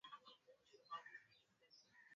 na ukoloni wa Ufaransa kati ya miaka elfu Moja Mia